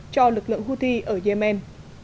cho lực lượng houthi ở yemen